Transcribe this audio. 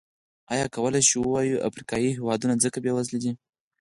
ایا کولای شو ووایو افریقايي هېوادونه ځکه بېوزله دي.